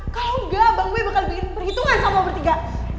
kalau enggak abang gue bakal bikin perhitungan sama obang bertiga